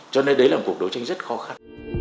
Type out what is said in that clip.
cho nên đấy là một cuộc đấu tranh rất khó khăn